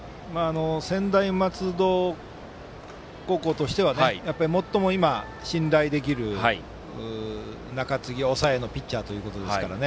専大松戸高校としては最も今信頼できる中継ぎ、抑えのピッチャーですから。